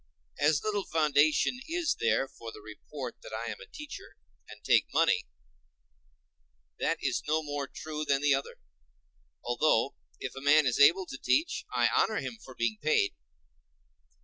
As little foundation is there for the report that I am a teacher, and take money; that is no more true than the other. Although, if a man is able to teach, I honor him for being paid.